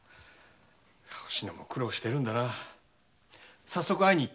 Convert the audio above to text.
おしのも苦労してるんだな早速会いに行ってやります。